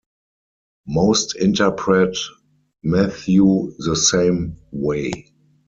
Most interpret Matthew the same way.